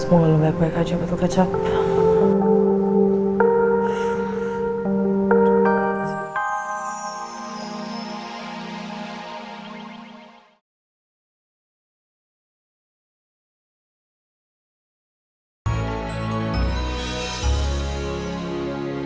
semoga lo nggak kuek aja sama tuh kacau